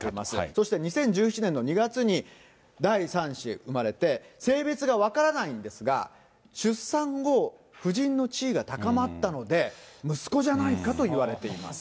そして２０１７年の２月に第３子、生まれて、性別が分からないんですが、出産後、夫人の地位が高まったので、息子じゃないかといわれています。